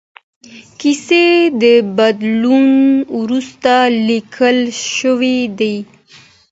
کیسې د بدلون وروسته لیکل شوې دي.